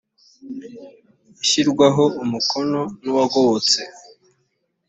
ishyirwaho umukono n ‘uwagobotse.